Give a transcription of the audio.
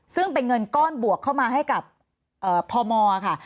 ซึ่งเป็นเงินก้อนบวกเข้ามาให้กับพมค่ะ